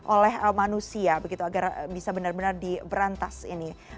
oleh manusia begitu agar bisa benar benar diberantas ini